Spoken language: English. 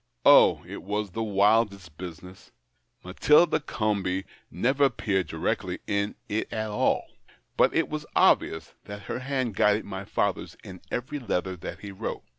Oh, it was the wildest business ! Matilda Comby never appeared directly in it at all. But it was obvious that her hand guided my father's in every letter that he wrote.